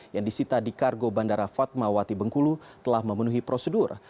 yang disita di kargo bandara fatmawati bengkulu telah memenuhi prosedur